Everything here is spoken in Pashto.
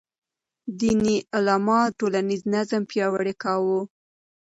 دیني علماو ټولنیز نظم پیاوړی کاوه.